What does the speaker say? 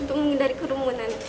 untuk menghindari kerumunan